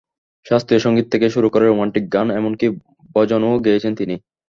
শাস্ত্রীয় সংগীত থেকে শুরু করে রোমান্টিক গান, এমনকি ভজনও গেয়েছেন তিনি।